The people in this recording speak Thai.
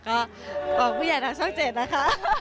ก็บอกผู้ใหญ่ทางช่อง๗นะคะ